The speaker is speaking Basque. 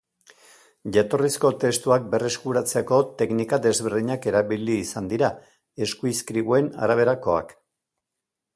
Jatorrizko testuak berreskuratzeko teknika desberdinak erabili izan dira, eskuizkribuen araberakoak.